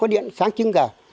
điện sáng chưng cả